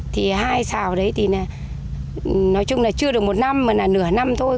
thì hai sao đấy thì nói chung là chưa được một năm mà là nửa năm thôi